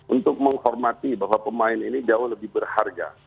untuk menghormati bahwa pemain ini jauh lebih berharga